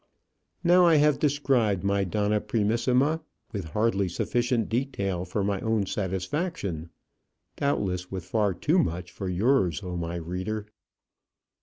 Now I have described my donna primissima, with hardly sufficient detail for my own satisfaction, doubtless with far too much for yours, oh, my reader!